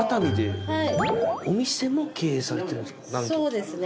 そうですね